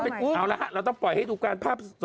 เอาละเราต้องปล่อยให้ดูการภาพสดแล้วนะครับ